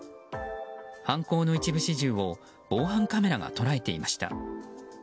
犯行の一部始終を防犯カメラが捉えていました。